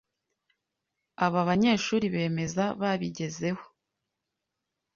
Aba banyeshuri bemeza babigezeho